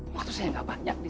waktu saya nggak banyak nih